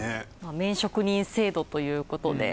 麺職人制度ということで。